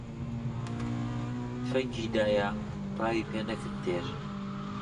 تفەنگی دایە، ڕاوی پێ نەکرد تێر